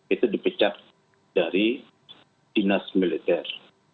itu dipecat dari dinas militer